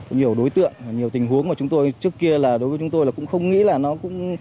nhiều đối tượng nhiều tình huống mà chúng tôi trước kia là đối với chúng tôi là cũng không nghĩ là nó cũng